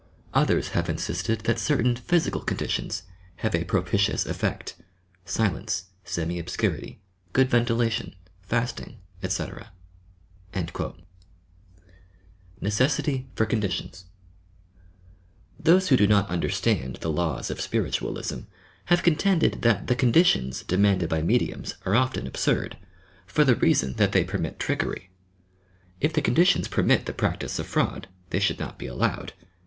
Others have insisted that certain physical conditions have a propitious effect, — silence, semi obscurity, good ventilation, fasting, etc." NECESSITY FOB CONDITIONS Those who do not understand the laws of Spiritualism have contended that the "conditions" demanded by mediums are often absurd, for the reason that they per mit trickery. If the conditions permit the practice of fraud, they should not be allowed.